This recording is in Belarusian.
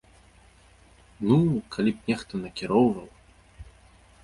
Ну, калі б нехта накіроўваў.